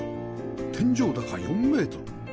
天井高４メートル